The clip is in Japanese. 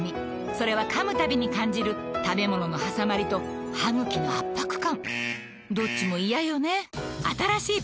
それは噛むたびに感じる食べ物のはさまりと歯ぐきの圧迫感ビーッビーッ